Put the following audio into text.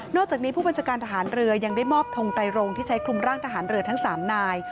จากนี้ผู้บัญชาการทหารเรือยังได้มอบทงไตรโรงที่ใช้คลุมร่างทหารเรือทั้ง๓นาย